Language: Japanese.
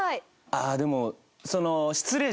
ああでも。